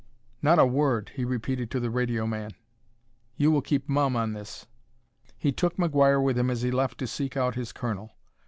"Not a word!" he repeated to the radio man. "You will keep mum on this." He took McGuire with him as he left to seek out his colonel.